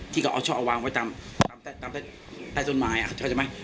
ที่เขาเอาช่อเอาวางไว้ตามใต้ต้นไม้เข้าใจไหม